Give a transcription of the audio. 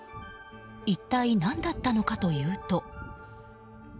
一体、何だったのかというと。